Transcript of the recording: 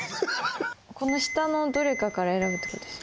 この下のどれかから選ぶってことですよね。